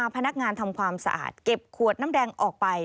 พนักงานทำความสะอาดเก็บขวดน้ำแดงออกไป